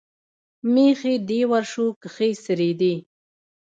مېښې دې ورشو کښې څرېدې